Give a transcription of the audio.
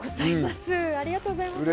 ありがとうございます。